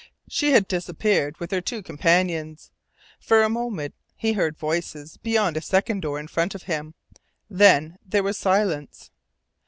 She had disappeared with her two companions. For a moment he heard voices beyond a second door in front of him. Then there was silence.